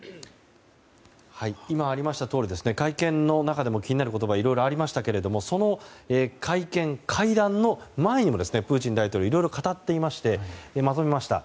今、ありましたとおり会見の中でも気になる言葉がいろいろありましたがその会見、会談の前にもプーチン大統領はいろいろ語っていましてまとめました。